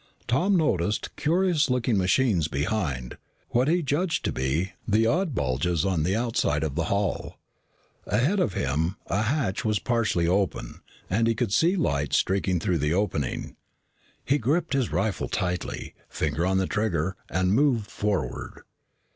Tom noticed curious looking machines behind, what he judged to be, the odd bulges on the outside of the hull. Ahead of him, a hatch was partially open and he could see light streaking through the opening. He gripped his rifle tightly, finger on the trigger, and moved forward.